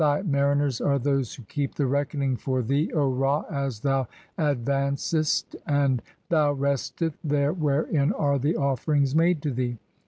Thy mariners are those who keep the reckoning for 'thee, [O Ra, as thou] advancest, and thou restest there wherein 'are the offerings made to thee.